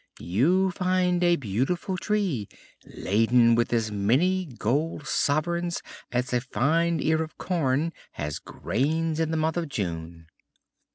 You find a beautiful tree laden with as many gold sovereigns as a fine ear of corn has grains in the month of June."